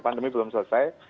pandemi belum selesai